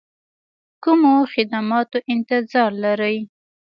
کومو خدماتو انتظار لري.